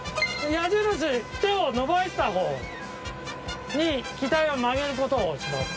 矢印手を伸ばした方に機体を曲げることをします。